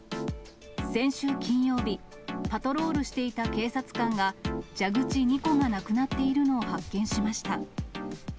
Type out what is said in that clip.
先週金曜日、パトロールしていた警察官が、蛇口２個がなくなっているのを発見しました。